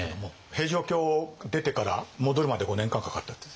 平城京出てから戻るまで５年間かかったって。